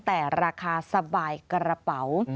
แต่ราคาสบายกระเป๋า